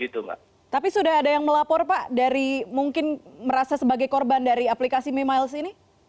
tapi sudah ada yang melapor pak dari mungkin merasa sebagai korban dari aplikasi memiles ini